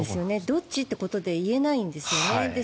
どっちってことで言えないんですよね。